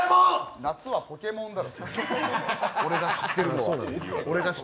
夏は「ポケモン」だろ俺が知ってるのは。